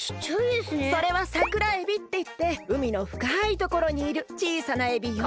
それはサクラエビっていってうみのふかいところにいるちいさなエビよ。